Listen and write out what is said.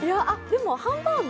ハンバーグ？